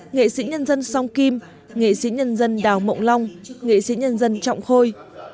nghệ sĩ nhân dân song kim nghệ sĩ nhân dân đào mộng long nghệ sĩ nhân dân trọng khôi